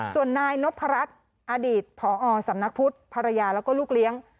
ส่วนนายนพรัชอดีตผอสำนักพุทธภรรยาแล้วก็ลูกเลี้ยง